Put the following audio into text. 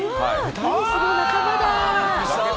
テニスの仲間だ！